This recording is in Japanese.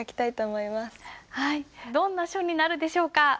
どんな書になるでしょうか。